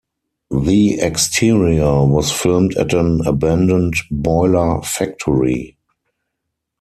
The exterior was filmed at an abandoned boiler factory.